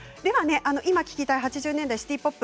今聴きたい８０年代シティ・ポップ